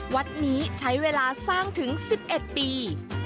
วัดนี้ใช้เวลาสร้างถึง๑๑ปี